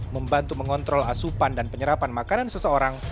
membantu mengontrol asupan dan penyerapan makanan seseorang